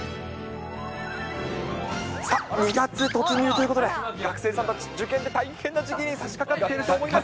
さあ、２月突入ということで、学生さんたち、受験で大変な時期に時期にさしかかっていると思います。